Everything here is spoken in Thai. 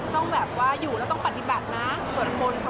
ต้องอยู่แล้วต้องปฏิบัตินะส่วนมนต์ทะวนานะ